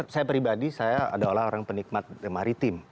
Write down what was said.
saya pribadi saya adalah orang penikmat maritim